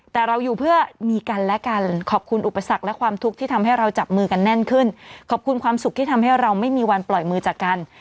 แต่เราอยู่เพื่อมีกันและกันขอบคุณอุปสรรคและความทุกข์ที่ทำให้เราจับมือกันแน่นขึ้นขอบคุณความสุขที่ทำให้เราไม่มีวันปล่อยมือจากกัน